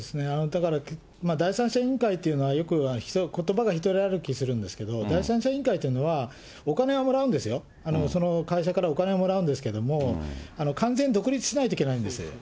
だから、第三者委員会というのは、よくことばがひとり歩きするんですけど、第三者委員会というのは、お金はもらうんですよ、その会社からお金はもらうんですけど、完全に独立しないといけないんです。